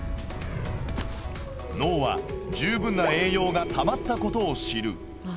脳は十分な栄養がたまったことを知る。